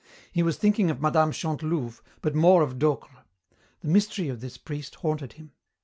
He was thinking of Mme. Chantelouve, but more of Docre. The mystery of this priest haunted him.